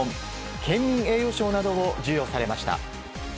県民栄誉賞などを授与されました。